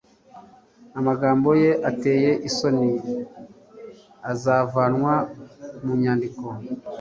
amagambo ye ateye isoni azavanwa mu nyandiko